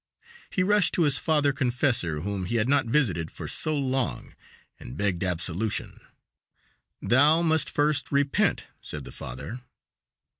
He rushed to his father confessor, whom he had not visited for so long, and begged absolution. "Thou must first repent," said the father.